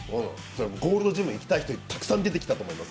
ゴールドジムに行きたい人たくさん出てきたと思います。